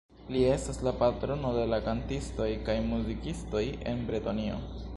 Li estas la patrono de la kantistoj kaj muzikistoj en Bretonio.